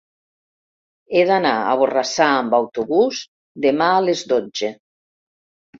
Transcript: He d'anar a Borrassà amb autobús demà a les dotze.